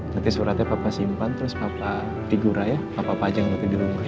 nanti suratnya papa simpan terus papa digura ya papa pajang waktu di rumah ya